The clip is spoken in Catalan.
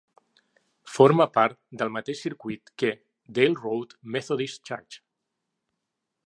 Forma part del mateix circuit que Dale Road Methodist Church.